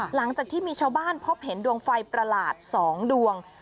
หลังจากที่มีชาวบ้านพบเห็นดวงไฟประหลาด๒ดวง